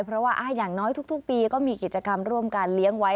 เพราะว่าอย่างน้อยทุกปีก็มีกิจกรรมร่วมกันเลี้ยงไว้